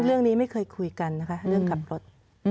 เรื่องนี้ไม่เคยคุยกันนะคะเรื่องกลับรถ